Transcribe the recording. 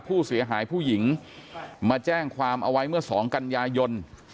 ผู้เสียหายผู้หญิงมาแจ้งความเอาไว้เมื่อ๒กันยายน